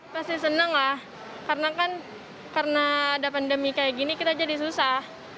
pasti senang lah karena kan karena ada pandemi kayak gini kita jadi susah